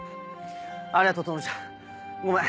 ありがとう朋美ちゃんごめん。